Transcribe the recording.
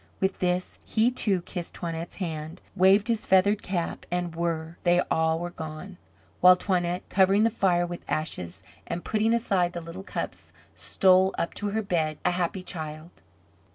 With this, he, too, kissed Toinette's hand, waved his feathered cap, and whir! they all were gone, while Toinette, covering the fire with ashes and putting aside the little cups, stole up to her bed a happy child.